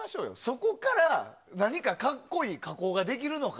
そこから何か格好いい加工ができるのか。